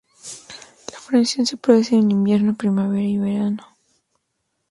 La floración se produce de invierno, primavera y verano.